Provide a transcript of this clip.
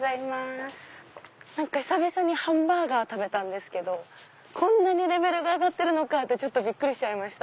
久々にハンバーガー食べたんですけどこんなレベル上がってるのか！ってびっくりしちゃいました。